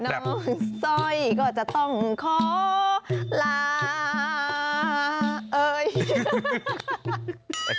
น้องสร้อยก็จะต้องขอลาเอ่ย